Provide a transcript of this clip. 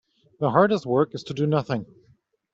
The hardest work is to do nothing.